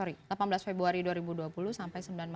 oke jadi satu bulan ya